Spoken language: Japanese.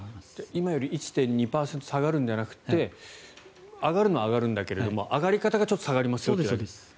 今よりも１．２％下がるのではなくて上がるのは上がるんだけど上がり方が下がりますよと。